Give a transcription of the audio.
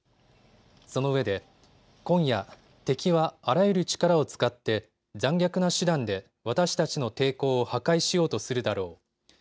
そのうえで今夜、敵はあらゆる力を使って残虐な手段で私たちの抵抗を破壊しようとするだろう。